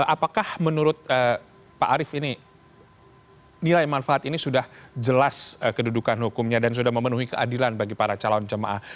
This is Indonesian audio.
apakah menurut pak arief ini nilai manfaat ini sudah jelas kedudukan hukumnya dan sudah memenuhi keadilan bagi para calon jemaah